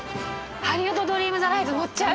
ハリウッド・ドリーム・ザ・ライド乗っちゃう？